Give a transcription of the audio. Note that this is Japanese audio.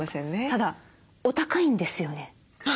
ただお高いんですよね？